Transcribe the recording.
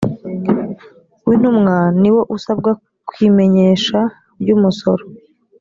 w intumwa niwo usabwa ku imenyesha ry umusoro